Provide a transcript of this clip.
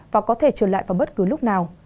và có thể trở lại vào bất cứ lúc nào